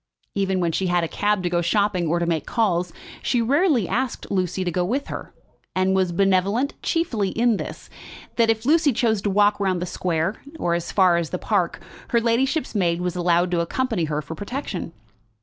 Even when she had a cab to go shopping, or to make calls, she rarely asked Lucy to go with her, and was benevolent chiefly in this, that if Lucy chose to walk round the square, or as far as the park, her ladyship's maid was allowed to accompany her for protection.